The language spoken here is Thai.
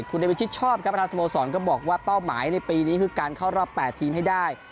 คุณเดวิชิตชอบครับประธานสโมสรก็บอกว่าเป้าหมายในปีนี้คือการเข้ารอบ๘ทีมให้ได้